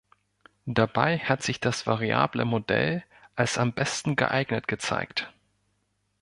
Dabei hat sich das variable Modell als am besten geeignet gezeigt.